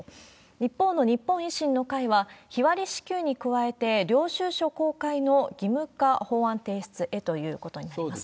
一方の日本維新の会は、日割り支給に加えて、領収書公開の義務化法案提出へということになります。